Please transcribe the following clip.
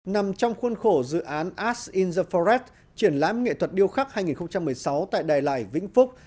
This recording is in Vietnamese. nằm trong khuôn khổ dự án arts in the forest triển lãm nghệ thuật điêu khắc hai nghìn một mươi sáu tại đài lải vĩnh phúc